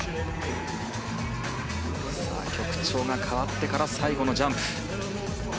曲調が変わってから最後のジャンプ。